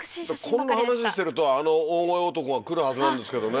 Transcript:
こんな話してるとあの大声男が来るはずなんですけどね。